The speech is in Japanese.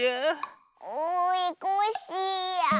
おいコッシーや。